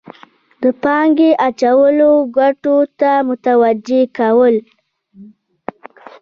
د پانګې اچولو ګټو ته متوجه کول.